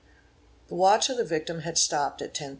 The watch of the victim had stopped at 10 30 p.